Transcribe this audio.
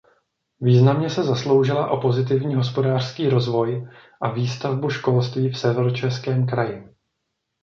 Významně se zasloužila o pozitivní hospodářský rozvoj a výstavbu školství v Severočeském kraji.